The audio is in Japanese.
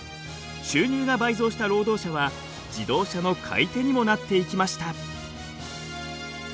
収入が倍増した労働者は自動車の買い手にもなっていきました。